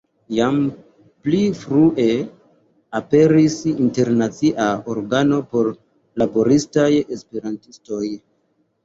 Jam pli frue aperis internacia organo por laboristaj Esperantistoj.